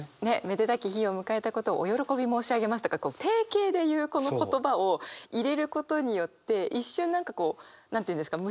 「めでたき日を迎えたことをお喜び申し上げます」とか定型で言うこの言葉を入れることによって一瞬何かこう何て言うんですか？